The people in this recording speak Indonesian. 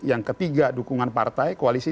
yang ketiga dukungan partai koalisi